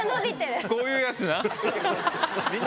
こういうやつな。